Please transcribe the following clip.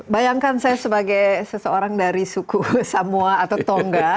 bayangkan saya sebagai seseorang dari suku samoa atau tongga